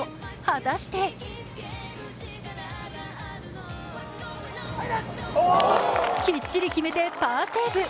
果たしてきっちり決めてパーセーブ。